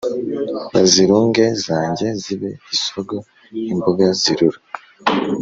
Bazirunge zange zibe isogo imboga zirura.